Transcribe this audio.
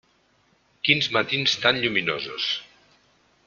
Quins matins tan lluminosos.